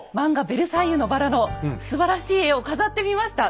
「ベルサイユのばら」のすばらしい絵を飾ってみました。